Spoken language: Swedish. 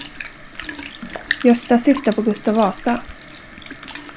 Gösta syftar på Gustav Vasa.